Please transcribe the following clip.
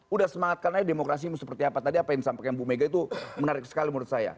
udah semangatkan aja demokrasi seperti apa tadi apa yang disampaikan bu mega itu menarik sekali menurut saya